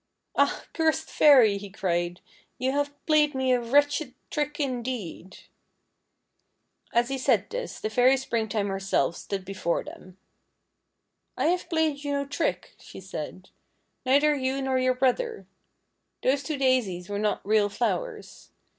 "Ah! cursed fairy," he cried, "you have played me a wretched trick, indeed !" As he said this, the fairy Springtime herself stood before them. " I have played you no trick," she said, —" neither you nor your brother. Those two daisies were not real flowers.